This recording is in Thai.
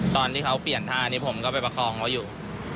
ตอนที่เขาเปลี่ยนท่านี้ผมก็ไปประคองเขาอยู่